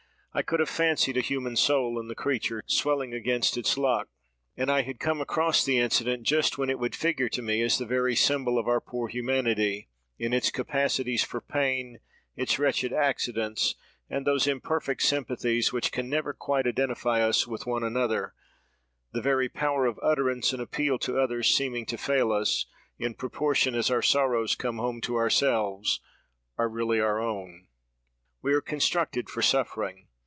I could have fancied a human soul in the creature, swelling against its luck. And I had come across the incident just when it would figure to me as the very symbol of our poor humanity, in its capacities for pain, its wretched accidents, and those imperfect sympathies, which can never quite identify us with one another; the very power of utterance and appeal to others seeming to fail us, in proportion as our sorrows come home to ourselves, are really our own. We are constructed for suffering!